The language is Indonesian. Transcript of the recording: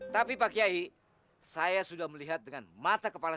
terima kasih tuhan kau memang adil